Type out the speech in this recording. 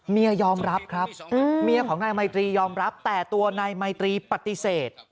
เมียยอมรับครับเมียของนายไมตรียอมรับแต่ตัวนายไมตรีปฏิเสธ